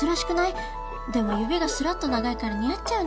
でも指がすらっと長いから似合っちゃうんだよね